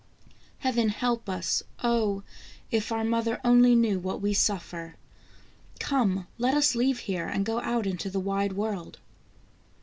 Heaven help us ! Oh ! if our mother only knew what we suffer ! Come, let us leave here, and go out into the wide world."